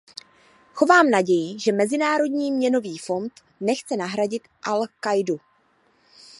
Chovám naději, že Mezinárodní měnový fond nechce nahradit al-Káidu.